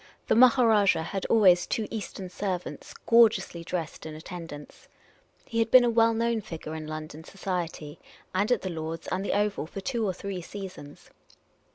The Maha rajah had always two Eastern servants, gorgeously dressed, in attendance ; he had been a well known figure in London society, and at Lord's and the Oval, for two or three seasons.